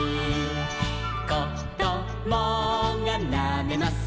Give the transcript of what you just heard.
「こどもがなめます